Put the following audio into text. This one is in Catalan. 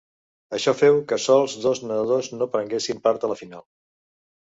Això feu que sols dos nedadors no prenguessin part a la final.